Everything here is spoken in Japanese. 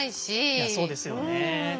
いやそうですよね。